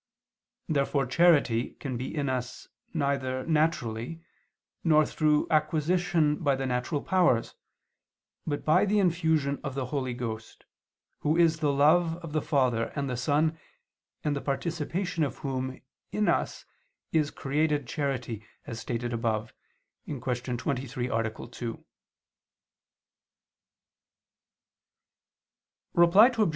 Therefore charity can be in us neither naturally, nor through acquisition by the natural powers, but by the infusion of the Holy Ghost, Who is the love of the Father and the Son, and the participation of Whom in us is created charity, as stated above (Q. 23, A. 2). Reply Obj.